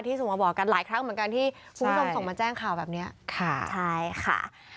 ส่งมาบอกกันหลายครั้งเหมือนกันที่คุณผู้ชมส่งมาแจ้งข่าวแบบนี้ค่ะใช่ค่ะ